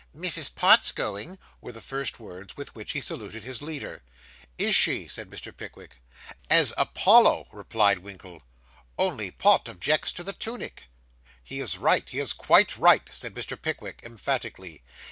'Mrs. Pott's going,' were the first words with which he saluted his leader. 'Is she?' said Mr. Pickwick. 'As Apollo,' replied Winkle. 'Only Pott objects to the tunic.' 'He is right. He is quite right,' said Mr. Pickwick emphatically.